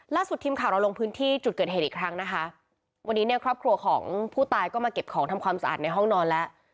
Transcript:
ล่าสุดทีมข่าวเราลงพื้นที่จุดเกิดเหตุอีกครั้งนะคะวันนี้เนี่ยครอบครัวของผู้ตายก็มาเก็บของทำความสะอาดในห้องนอนแล้ว